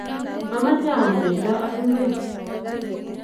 amoche aam bendo ak ngwek.